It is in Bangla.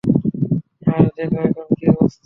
আর দেখো এখন কী অবস্থা!